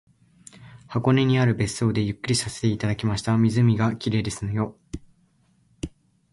箱根にある別荘でゆっくりさせていただきました。湖が綺麗ですのよ